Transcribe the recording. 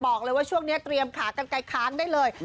บอกเลยว่าช่วงนี้เตรียมขากันไกลค้างได้เลย